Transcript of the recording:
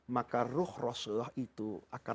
maka ruh rasulullah itu akan